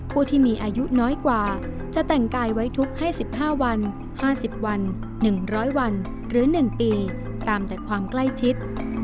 ผู้ที่มีอายุน้อยกว่าจะแต่งกายไว้ทุกข์ให้๑๕วัน๕๐วัน๑๐๐วันหรือ๑ปีตามแต่ความใกล้ชิด